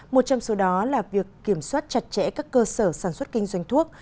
một trong số đó là việc kiểm soát chặt chẽ các cơ sở sản xuất kinh doanh thuốc